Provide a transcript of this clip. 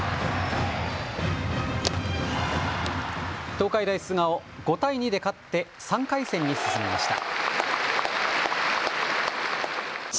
東海大菅生、５対２で勝って３回戦に進みました。